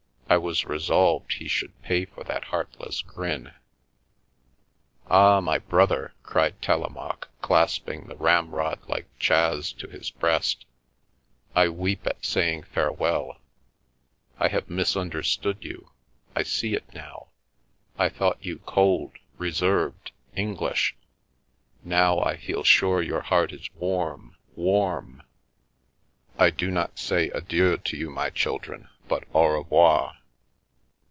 I was resolved he should pay for that heartless grin. " Ah, my brother !" cried Telemaque, clasping the ramrod like Chas to his breast, " I weep at saying fare well ! I have misunderstood you. I see it now. I thought you cold, reserved, English. Now I feel sure your heart is warm, warm. I do not say ' adieu ' to you, my children, but ' au revoir.'